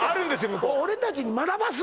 向こう俺たちに学ばす？